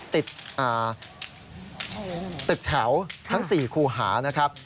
ติดตึกแถวทั้ง๔คู่หานะครับ